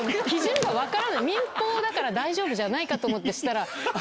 民放だから大丈夫かと思ってしたら。